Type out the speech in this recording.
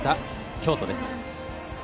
京都です。